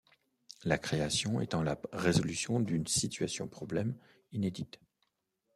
La création étant la résolution d'une situation-problème inédite.